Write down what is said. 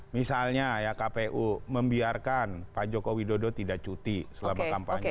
misalnya ya kpu membiarkan pak joko widodo tidak cuti selama kampanye